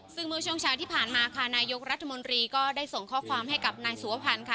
ซึ่งเมื่อช่วงเช้าที่ผ่านมาค่ะนายกรัฐมนตรีก็ได้ส่งข้อความให้กับนายสุวพันธ์ค่ะ